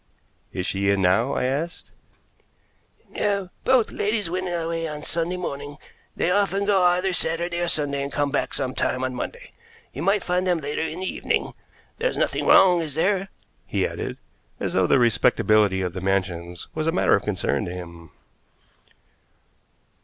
"Is she in now?" I asked. "No; both ladies went away on Sunday morning. They often go either Saturday or Sunday, and come back some time on Monday. You might find them later in the evening. There's nothing wrong, is there?" he added, as though the respectability of the Mansions was a matter of concern to him.